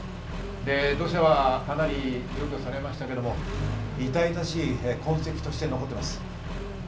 土砂はかなり除去されましたけど、痛々しい痕跡として残っています。